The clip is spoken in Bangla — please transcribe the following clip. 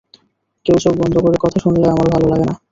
কেউ চোখ বন্ধ করে কথা শুনলে আমার ভাল লাগে না।